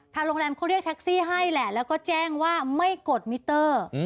โรงแรมเขาเรียกแท็กซี่ให้แหละแล้วก็แจ้งว่าไม่กดมิเตอร์